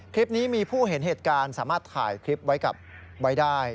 คลิปนี้มีผู้เห็นเหตุการณ์สามารถถ่ายคลิปไว้ได้